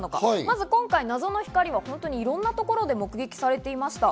謎の光は本当にいろんなところで目撃されていました。